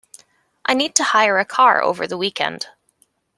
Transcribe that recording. I need to hire a car over the weekend